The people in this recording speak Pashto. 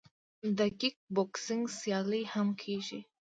د کیک بوکسینګ سیالۍ هم کیږي.